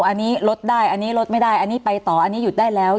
อันนี้ลดได้อันนี้ลดไม่ได้อันนี้ไปต่ออันนี้หยุดได้แล้ว